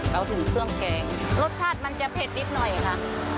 เราถึงเครื่องแกงรสชาติมันจะเผ็ดนิดหน่อยค่ะ